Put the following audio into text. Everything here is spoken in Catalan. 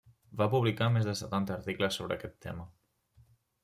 Va publicar més de setanta articles sobre aquest tema.